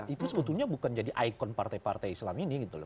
itu sebetulnya bukan jadi ikon partai partai islam ini gitu loh